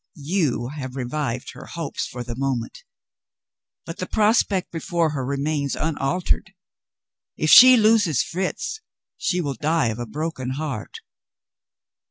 You have revived her hopes for the moment but the prospect before her remains unaltered. If she loses Fritz she will die of a broken heart.